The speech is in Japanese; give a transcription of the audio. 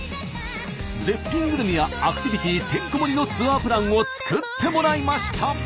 絶品グルメやアクティビティーてんこ盛りのツアープランを作ってもらいました。